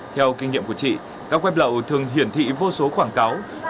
theo kinh nghiệm của chị các web lậu thường hiển thị vô số khoảng cách